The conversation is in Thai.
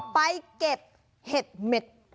ไปเก็บเห็ดเหม็ด